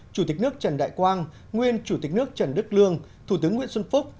chủ tịch nước trần đại quang nguyên chủ tịch nước trần đức lương thủ tướng nguyễn xuân phúc